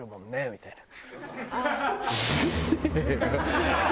みたいな。